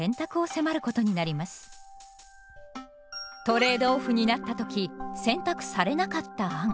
トレード・オフになった時選択されなかった案。